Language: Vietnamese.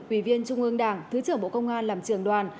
ủy viên trung ương đảng thứ trưởng bộ công an làm trường đoàn